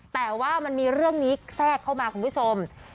แต่ว่ามันมีเรื่องนี้แทรกเข้ามาคุณผู้ชม